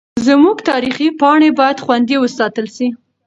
زموږ تاریخي پاڼې باید خوندي وساتل سي.